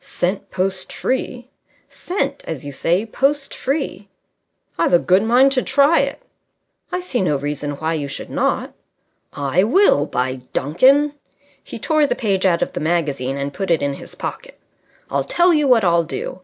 "Sent post free." "Sent, as you say, post free." "I've a good mind to try it." "I see no reason why you should not." "I will, by Duncan!" He tore the page out of the magazine and put it in his pocket. "I'll tell you what I'll do.